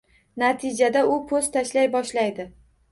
Natijada u po`st tashlay boshlaydi.